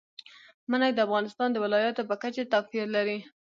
منی د افغانستان د ولایاتو په کچه توپیر لري.